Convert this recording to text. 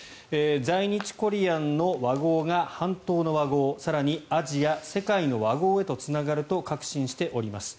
在日コリアンの和合が半島の和合更にアジア、世界の和合へとつながると確信しております。